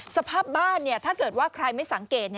สภาพบ้านถ้าเกิดว่าใครไม่สังเกต